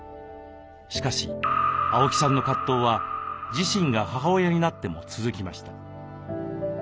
しかし青木さんの葛藤は自身が母親になっても続きました。